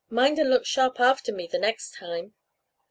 mind and look sharp after me the next time."